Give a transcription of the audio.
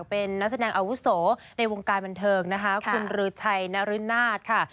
เป็นนักแสดงอาวุโสในวงการบันเทิงนะคะคุณรือชัยนรนาศค่ะ